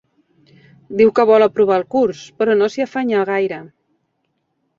Diu que vol aprovar el curs, però no s'hi afanya gaire.